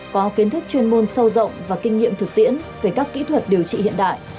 có kiến thức chuyên môn sâu rộng và kinh nghiệm thực tiễn về các kỹ thuật điều trị hiện đại